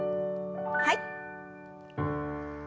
はい。